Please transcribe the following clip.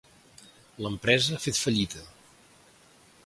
L'empresa ha fet fallida.